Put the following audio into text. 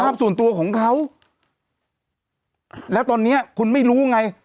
ภาพส่วนตัวของเขาแล้วตอนเนี้ยคุณไม่รู้ไง